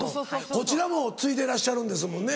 こちらも継いでらっしゃるんですもんね。